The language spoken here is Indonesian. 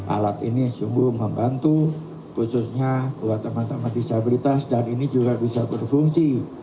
alat ini sungguh membantu khususnya buat teman teman disabilitas dan ini juga bisa berfungsi